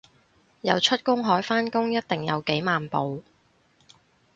游出公海返工一定有幾萬步